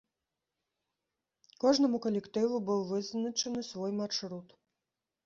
Кожнаму калектыву быў вызначаны свой маршрут.